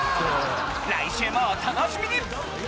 来週もお楽しみに！